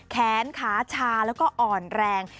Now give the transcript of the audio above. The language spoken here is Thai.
แขนขาชาแล้วก็อ่อนแรง